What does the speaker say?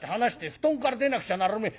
布団から出なくちゃならねえ。